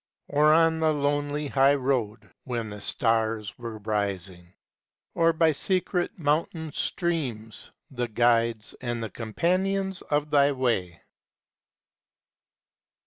Or on the lonely high road, when the stars Were rising; or by secret mountain streams, The guides and the companions of thy way!